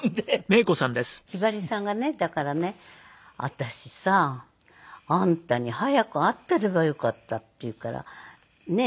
「私さあんたに早く会っていればよかった」って言うからねえ